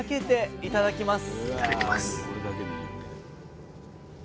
いただきます。